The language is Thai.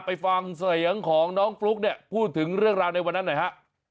ไปฟังเสียงของน้องฟลุ๊กเนี่ยพูดถึงเรื่องราวในวันนั้นหน่อยฮะ